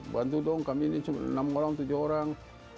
bantu dong kami ini cuma enam orang tujuh orang